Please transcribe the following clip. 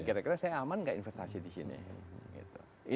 kira kira saya aman nggak investasi di sini